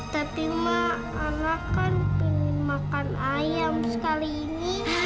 tapi ma anah kan pengen makan ayam sekali ini